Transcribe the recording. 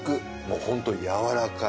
ホントにやわらかい。